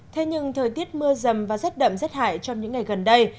thế nhưng thời tiết mưa rầm và rất đậm rất hại trong những ngày gần đây